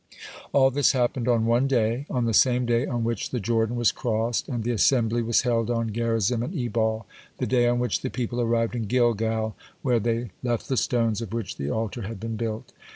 All this happened on one day, on the same day on which the Jordan was crossed, and the assembly was held on Gerizim and Ebal, the day on which the people arrived at Gilgal, where they left the stones of which the altar had been built.